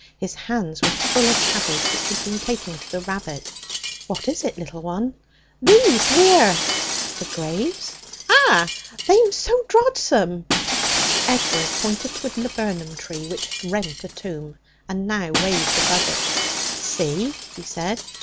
His hands were full of cabbage which he had been taking to the rabbit. 'What is it, little one?' 'These here!' 'The graves?' 'Ah. They'm so drodsome.' Edward pointed to a laburnum tree which had rent a tomb, and now waved above it. 'See,' he said.